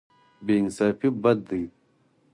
بې انصافي بد دی.